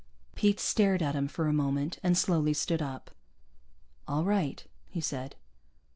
Pete stared at him for a moment and slowly stood up. "All right," he said.